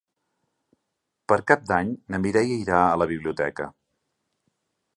Per Cap d'Any na Mireia irà a la biblioteca.